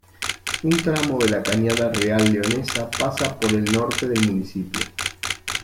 Un tramo de la cañada real leonesa pasa por el norte del municipio.